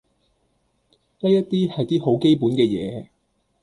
呢一啲係啲好基本嘅嘢